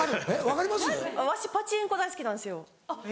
わしパチンコ大好きなんですよ。